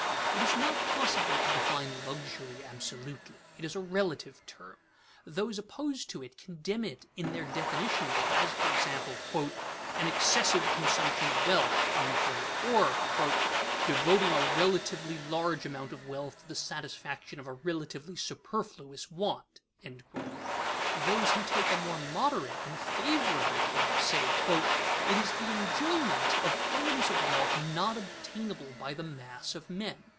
_ It is not possible to define luxury absolutely; it is a relative term. Those opposed to it condemn it in their definition of it, as, for example: "an excessive consumption of wealth," or "devoting a relatively large amount of wealth to the satisfaction of a relatively superfluous want." Those who take a more moderate and favorable view say: "It is the enjoyment of forms of wealth not obtainable by the mass of men."